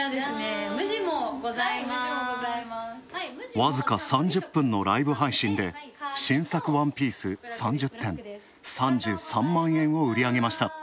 わずか３０分のライブ配信で新作ワンピース３０点、３３万円を売り上げました。